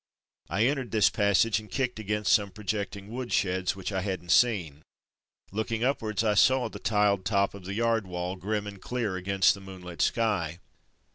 I entered this passage and kicked against some projecting wood sheds which I hadn't seen. Looking up wards, I saw the tiled top of the yard wall, grim and clear against the moonlit sky.